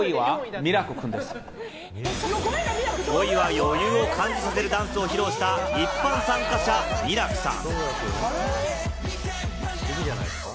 ５位は余裕を感じさせるダンスを披露した一般参加者・ミラクさん。